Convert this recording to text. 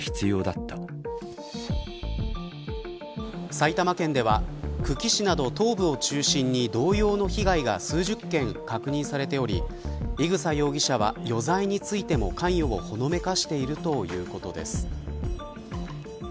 埼玉県では久喜市など東部を中心に同様の被害が数十件確認されており伊草容疑者は余罪についても関与をほのめかしているということです。